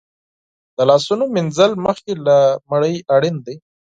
د لاسونو مینځل مخکې له ډوډۍ اړین دي.